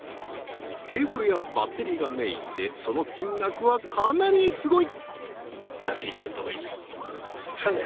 ケーブルやバッテリーがメインでその金額はかなりすごい！